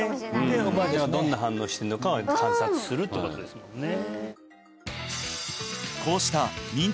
でおばあちゃんがどんな反応してんのかは観察するってことですもんね